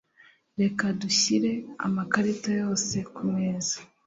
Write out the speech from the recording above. Reka dushyire amakarita yose kumeza.